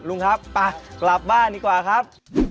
ลุงครับไปกลับบ้านดีกว่าครับ